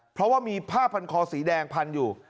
เพราะว่ามีผ้าพันคอสีแดงพันอยู่